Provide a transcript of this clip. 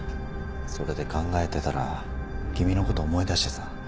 それで考えてたら君のこと思い出してさ。